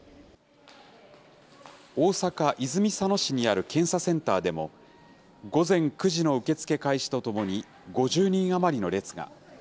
大阪・泉佐野市にある検査センターでも、午前９時の受け付け開始とともに、５０人余りの列が。